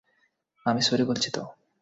আমি সরি বলছি তো।